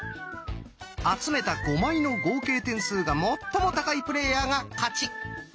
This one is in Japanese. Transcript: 集めた５枚の合計点数が最も高いプレーヤーが勝ち。